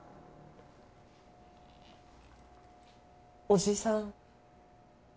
おじさん？